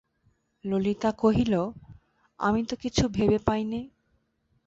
ললিতা কহিল, আমি তো কিছু ভেবে পাই নে।